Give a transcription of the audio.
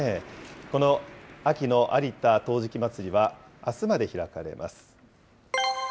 この秋の有田陶磁器まつりはあすまで開かれます。